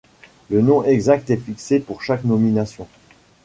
Le nom exact est fixé pour chaque nomination.